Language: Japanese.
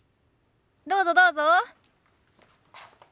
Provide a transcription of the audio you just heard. どうぞどうぞ。